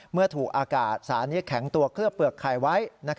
เมื่อถูกอากาศสารนี้แข็งตัวเคลือบเปลือกไข่ไว้